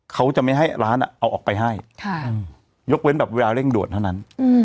เขาจะไม่ให้ร้านเอาออกไปให้ยกเว้นแบบเวลาเร่งด่วนเท่านั้น